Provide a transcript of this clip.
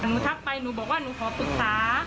หนูทักไปหนูบอกว่าหนูขอปรึกษา